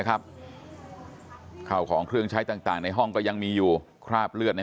ข้าวของเครื่องใช้ต่างในห้องก็ยังมีอยู่คราบเลือด